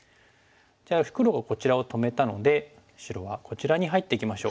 じゃあ黒がこちらを止めたので白はこちらに入っていきましょう。